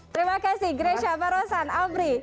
terima kasih grace pak rosan apri